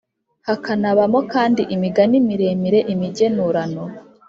hakanabamo kandi imigani miremire, imigenurano.